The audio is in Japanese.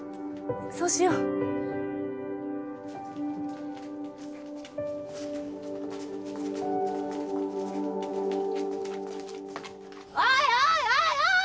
そうしようおいおいおいおい！